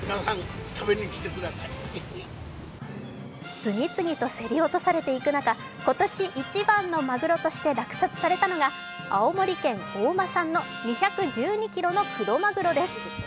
次々と競り落とされていく中今年一番のまぐろとして落札されたのが青森県・大間産の２１２ｋｇのクロマグロです。